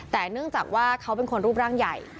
แต่เนื่องจากว่าเขาเป็นคนรูปร่างใหญ่